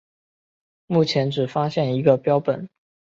目前只有发现一个标本。